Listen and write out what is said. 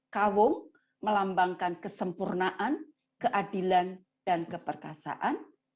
kawung melambangkan kesempurnaan keadilan dan keperkasaan